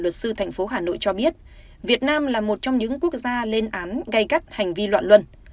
cho biết việt nam là một trong những quốc gia lên án gây cắt hành vi loạn luân